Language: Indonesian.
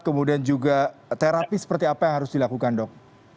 kemudian juga terapi seperti apa yang harus dilakukan dok